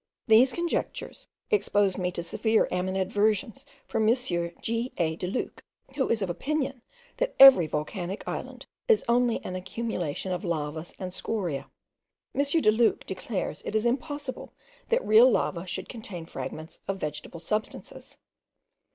These conjectures exposed me to severe animadversions from M. G.A. de Luc, who is of opinion that every volcanic island is only an accumulation of lavas and scoriae. M. de Luc declares it is impossible that real lava should contain fragments of vegetable substances.